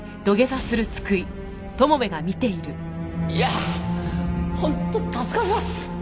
いやぁ本当助かります！